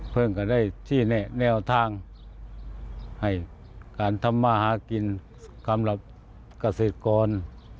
เพิ่งกำลังได้ที่แนวทางการทำมาหากินสัมคัมกัษติกร